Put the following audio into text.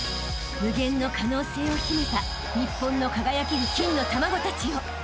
［無限の可能性を秘めた日本の輝ける金の卵たちよ］